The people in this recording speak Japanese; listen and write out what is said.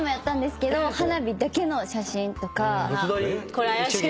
これ怪しい。